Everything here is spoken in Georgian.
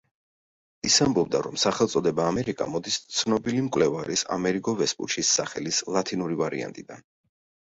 ის ამბობდა, რომ სახელწოდება ამერიკა მოდის ცნობილი მკვლევარის ამერიგო ვესპუჩის სახელის ლათინური ვარიანტიდან.